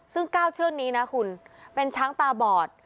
ซึ่ง๙เชือกนี้นะคุณเป็นช้างตาบอด